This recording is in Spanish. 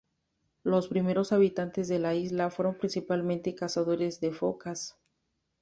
Los primeros habitantes de la isla fueron principalmente cazadores de focas.